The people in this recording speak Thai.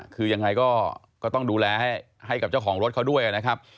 คือยังไงก็ต้องดูแลให้กับเจ้าของรถเขาด้วยนะครับ